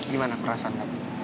gimana perasaan mbak